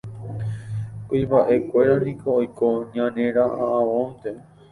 Kuimbaʼekuéra niko oiko ñaneraʼãvonte.